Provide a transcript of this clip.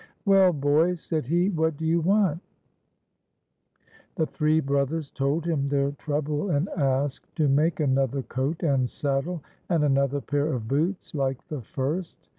" Well, boys," said he, " what do you want ?" The three brothers told him their trouble, and asked to make another coat and saddle, and another pair of boots, like the first.